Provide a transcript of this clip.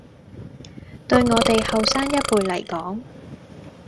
對我哋後生一輩嚟講